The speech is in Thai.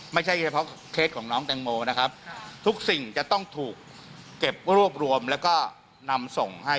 ไม่ใช่เฉพาะเคสของน้องแตงโมนะครับทุกสิ่งจะต้องถูกเก็บรวบรวมแล้วก็นำส่งให้